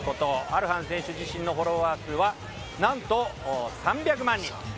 アルハン選手自身のフォロワー数はなんと３００万人。